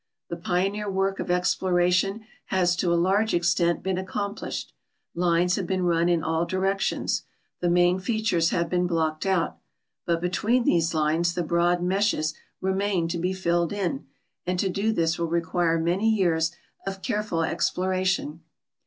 The pioneer work of exploration has to a large extent been accomplished ; lines have been run in all directions; the main features have been blocked out; but be tween these lines the broad meshes remain to be filled in. and to do this will require many 3'ears of careful exploration.